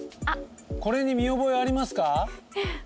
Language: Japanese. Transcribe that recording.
これに見覚えありますか？